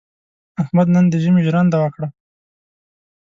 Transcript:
احمد نن د ژمي ژرنده وکړه.